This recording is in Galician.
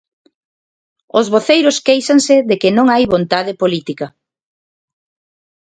Os voceiros quéixanse de que non hai vontade política.